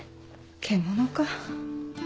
獣か。